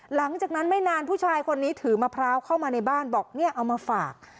หลังจากนั้นไม่นานผู้ชายคนนี้ถือมะพร้าวเข้ามาในบ้านบอกเนี่ยเอามาฝาก